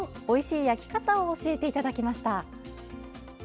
おいしい焼き方を教えていただきました。